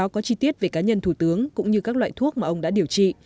có chi tiết về cá nhân thủ tướng cũng như các loại thuốc mà ông đã điều trị